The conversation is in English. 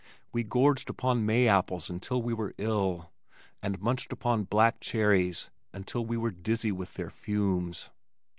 We gorged upon May apples until we were ill, and munched black cherries until we were dizzy with their fumes.